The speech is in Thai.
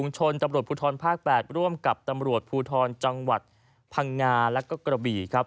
ชนตำรวจภูทรภาค๘ร่วมกับตำรวจภูทรจังหวัดพังงาและก็กระบี่ครับ